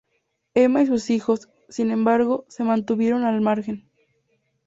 Emma y sus hijos, sin embargo, se mantuvieron al margen.